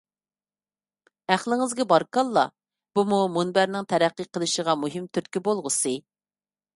ئەقلىڭىزگە بارىكاللا! بۇمۇ مۇنبەرنىڭ تەرەققىي قىلىشىغا مۇھىم تۈرتكە بولغۇسى.